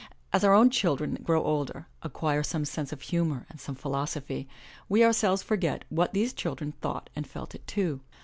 As our own children grow older, acquire some sense of humor and some philosophy, we ourselves forget what these children thought and felt at two.